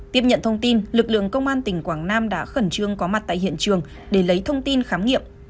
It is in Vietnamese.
tiếp nhận thông tin lực lượng công an tỉnh quảng nam đã khẩn trương có mặt tại hiện trường để lấy thông tin khám nghiệm